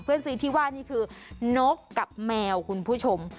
ซื้อที่ว่านี่คือนกกับแมวคุณผู้ชม